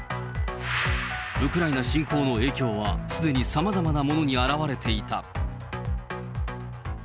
ウクライナ侵攻の影響はすでにさまざまなものに現れていた。